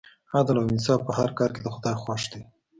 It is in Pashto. عدل او انصاف په هر کار کې د خدای خوښ دی.